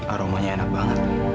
aromanya enak banget